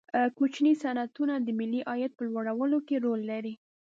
کوچني صنعتونه د ملي عاید په لوړولو کې رول لري.